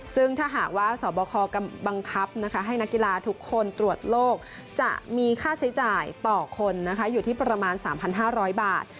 ซึ่งถ้าหากว่าสบคบังคับให้นักกีฬาทุกคนตรวจโลกจะมีค่าใช้จ่ายต่อคนอยู่ที่ประมาณ๓๕๐๐บาท